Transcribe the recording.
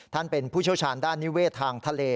ท่านเป็นผู้เชี่ยวชาญด้านนิเวศทางทะเล